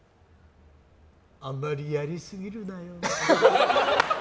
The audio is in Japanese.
あんまりやりすぎるなよ。